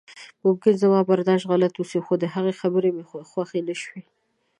ممکن زما برداشت غلط اوسي خو د هغې خبرې مې خوښې نشوې.